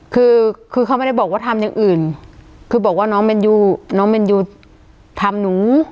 คือคือเขาไม่ได้บอกว่าทำอย่างอื่นคือบอกว่าน้องแมนยูน้องแมนยูทำหนู